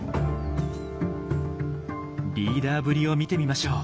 リーダーぶりを見てみましょう。